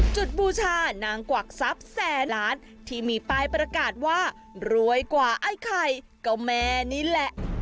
บูชานางกวักทรัพย์แสนล้านที่มีป้ายประกาศว่ารวยกว่าไอ้ไข่ก็แม่นี่แหละ